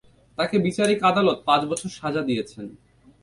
তাঁকে বিচারিক আদালত পাঁচ বছর সাজা দিয়েছেন।